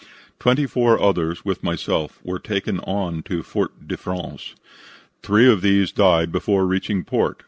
Twenty four others with myself were taken on to Fort de France. Three of these died before reaching port.